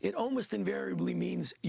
hampir tidak bergantung